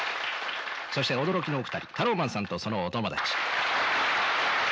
そして驚きのお二人タローマンさんとそのお友達。